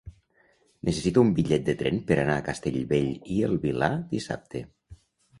Necessito un bitllet de tren per anar a Castellbell i el Vilar dissabte.